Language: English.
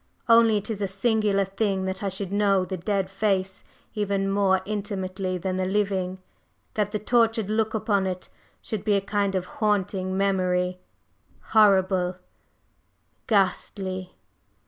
Only it is a singular thing that I should know the dead face even more intimately than the living that the tortured look upon it should be a kind of haunting memory horrible ghastly.